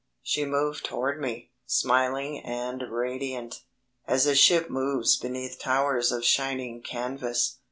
She moved toward me, smiling and radiant, as a ship moves beneath towers of shining canvas.